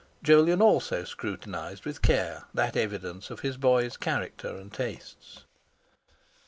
Jolyon also scrutinised with care that evidence of his boy's character and tastes.